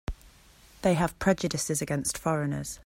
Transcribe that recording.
They have prejudices against foreigners.